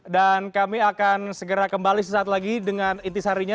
dan kami akan segera kembali sesaat lagi dengan inti seharinya